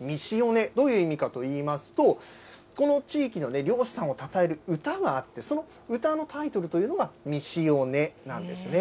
みしおね、どういう意味かといいますと、この地域の漁師さんをたたえる歌があって、その歌のタイトルというのが、みしおねなんですね。